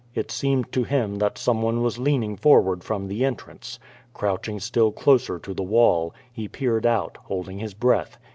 It seemed to him that someone was leaning forward from the entrance. Crouch ing still closer to the wall, he peered out, holding his breath.